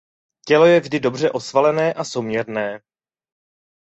Tělo je vždy dobře osvalené a souměrné.